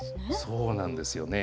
そうなんですよね。